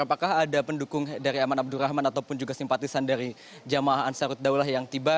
apakah ada pendukung dari aman abdurrahman ataupun juga simpatisan dari jamaah ansarut daulah yang tiba